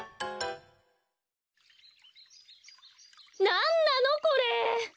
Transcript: なんなのこれ！